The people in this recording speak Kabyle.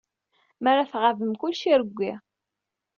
Mi ara tɣabem, kullec irewwi.